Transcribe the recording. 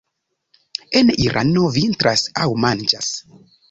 En Irano vintras aŭ manĝas.